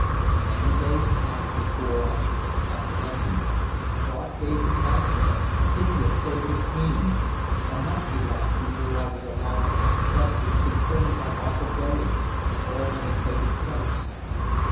Many days passed before I became convalescent dark days of nightmare, hideous days of pain. A month elapsed before I was allowed to ask questions concerning that awful day and all that had taken place.